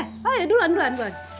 oh iya duluan duluan duluan